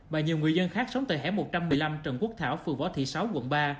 mà nhiều người dân khác sống tại hẻ một trăm một mươi năm trần quốc thảo phường võ thị sáu quận ba